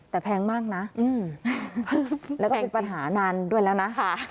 แต่แพงมากนะแล้วก็เป็นปัญหานานด้วยแล้วนะ